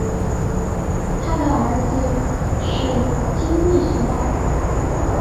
他的儿子是金密索尔。